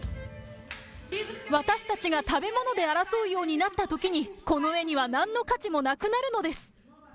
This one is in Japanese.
私たちが食べ物で争うようになったときに、この絵にはなんの価値もなくなるのです。